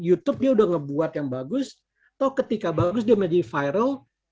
youtube dia udah ngebuat yang bagus atau ketika bagus dia menjadi viral